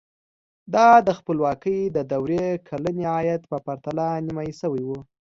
دا د خپلواکۍ د دورې کلني عاید په پرتله نیمايي شوی و.